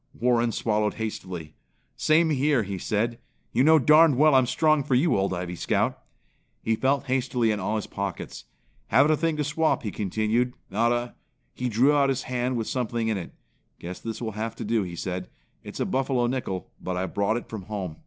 Warren swallowed hastily. "Same here!" he said. "You know darned well I'm strong for you, Old Ivy Scout." He felt hastily in all his pockets. "Haven't a thing to swap," he continued, "not a " He drew out his hand with something in it. "Guess this will have to do," he said. "It's a buffalo nickel, but I brought it from home.